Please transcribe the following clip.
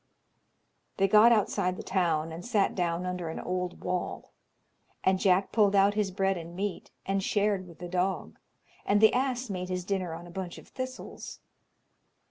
They got outside the town, and sat down under an old wall, and Jack pulled out his bread and meat, and shared with the dog; and the ass made his dinner on a bunch of thistles.